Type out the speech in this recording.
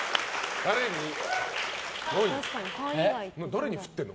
誰に振ってるの？